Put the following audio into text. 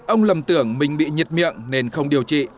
ông lầm tưởng mình bị nhiệt miệng nên không điều trị